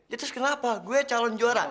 ya terus kenapa gue calon juara